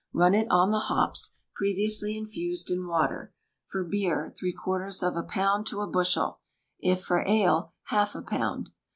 Run it on the hops, previously infused in water; for beer, three quarters of a pound to a bushel; if for ale, half a pound.